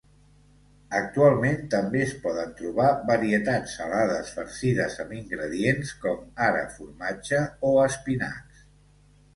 Actualment també es poden trobar varietats salades farcides amb ingredients com ara formatge o espinacs.